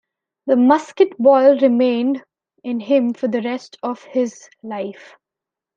The musket ball remained in him for the rest of his life.